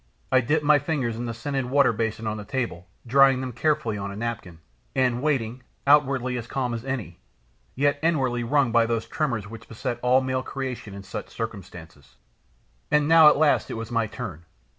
I dipped my fingers in the scented water basin on the table, drying them carefully on a napkin, and waiting, outwardly as calm as any, yet inwardly wrung by those tremors which beset all male creation in such circumstances. And now at last it was my turn.